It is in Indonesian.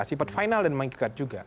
sifat final dan mengikat